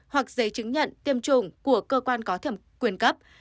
hoặc giấy chứng nhận tiêm chủng của cơ quan có thẩm quyền cấp